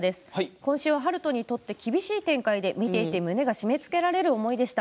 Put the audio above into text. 今週は悠人にとって厳しい展開で見ていて胸が締めつけられる思いでした。